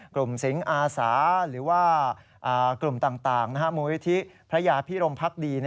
กลุ่มสิงห์อาสาหรือว่ากลุ่มต่างมวลวิธีพระยาภิรมภักดี